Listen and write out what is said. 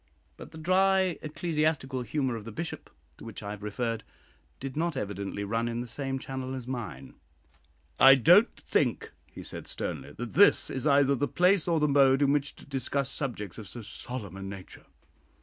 '" But the "dry ecclesiastical humour" of the Bishop, to which I have referred, did not evidently run in the same channel as mine. "I don't think," he said, sternly, "that this is either the place or the mode in which to discuss subjects of so solemn a nature."